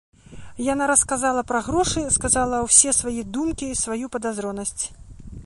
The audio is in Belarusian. Яна расказала пра грошы, сказала ўсе свае думкі, сваю падазронасць.